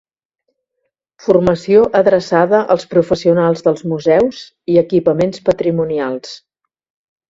Formació adreçada als professionals dels museus i equipaments patrimonials.